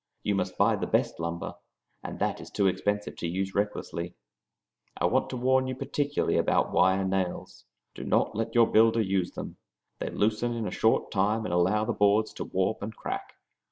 You must buy the best lumber, and that is too expensive to use recklessly. I want to warn you particularly about wire nails. Do not let your builder use them. They loosen in a short time and allow the boards to warp and crack.